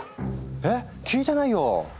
えっ聞いてないよ！